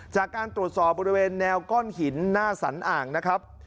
จากการตรวจสอบบริเวณแนวก้อนหินหน้าสันอ่างนะครับ